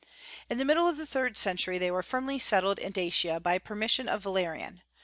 In the middle of the third century they were firmly settled in Dacia, by permission of Valerian.